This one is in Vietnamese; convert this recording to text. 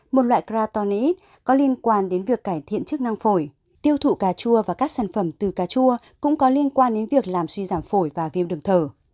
một loại kratonite có liên quan đến việc cải thiện chức năng phổi tiêu thụ cà chua và các sản phẩm từ cà chua cũng có liên quan đến việc làm suy giảm phổi và viêm đường thở